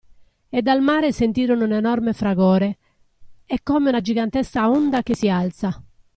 E dal mare sentirono un enorme fragore, e come una gigantesca onda che si alza.